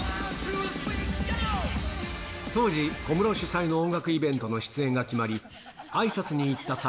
当時、小室主催の音楽イベントの出演が決まり、あいさつに行った際。